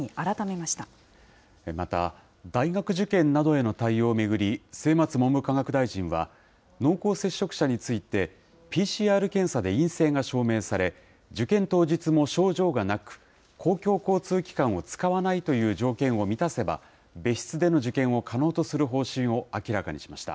また、大学受験などへの対応を巡り、末松文部科学大臣は、濃厚接触者について、ＰＣＲ検査で陰性が証明され、受験当日も症状がなく、公共交通機関を使わないという条件を満たせば、別室での受験を可能とする方針を明らかにしました。